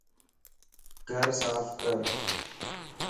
گھر صاف ڪر